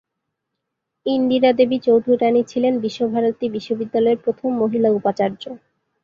ইন্দিরা দেবী চৌধুরাণী ছিলেন বিশ্বভারতী বিশ্ববিদ্যালয়ের প্রথম মহিলা উপাচার্য।